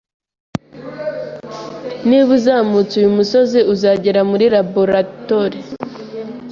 Niba uzamutse uyu musozi, uzagera muri laboratoire.